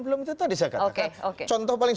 belum itu tadi saya katakan oke oke contoh paling